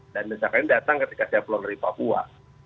dan desakan ini datang ketika saya pulang dari papua